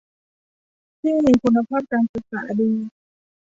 ที่มีคุณภาพการศึกษาดี